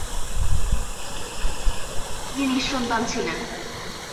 তিনি নিঃসন্তান ছিলেন।